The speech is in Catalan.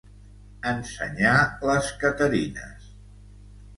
Ensenyar les caterines.